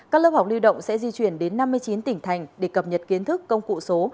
các lớp học lưu động sẽ di chuyển đến năm mươi chín tỉnh thành để cập nhật kiến thức công cụ số